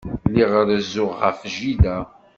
Lliɣ rezzuɣ ɣef jida.